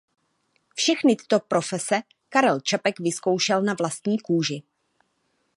Všechny tyto profese Karel Čapek vyzkoušel na vlastní kůži.